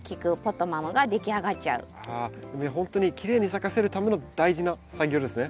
ほんとにきれいに咲かせるための大事な作業ですね。